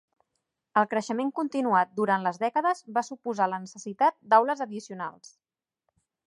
El creixement continuat durant les dècades va suposar la necessitat d'aules addicionals.